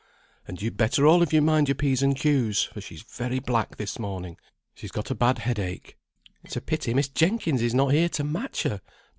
"And you'd better all of you mind your P's and Q's, for she's very black this morning. She's got a bad headache." "It's a pity Miss Jenkins is not here to match her.